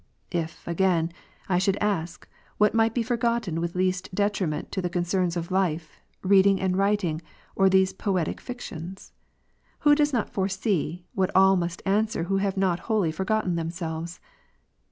If, again, I should ask, what might be forgotten with least detriment to the concerns of life, reading and writing or these poetic fictions ? who does not foresee, what all must answer who have not wholly forgotten them selves?